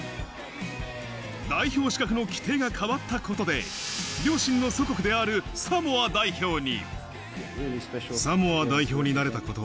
代表資格の規定が変わったことで、両親の祖国であるサモア代表に。